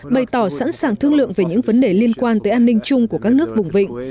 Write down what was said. bày tỏ sẵn sàng thương lượng về những vấn đề liên quan tới an ninh chung của các nước vùng vịnh